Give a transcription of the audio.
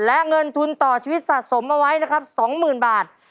และเงินทุนต่อชีวิตสะสมเอาไว้นะครับ๒๐๐๐บาท